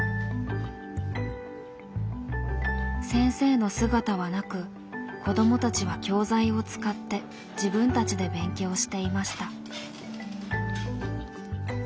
先生の姿はなく子どもたちは教材を使って自分たちで勉強していました。